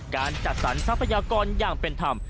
การจัดสรรทรัพยากรอย่างเป็นธรรม